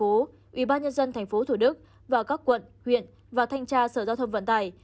ubnd tp thủ đức và các quận huyện và thanh tra sở giao thông vận tải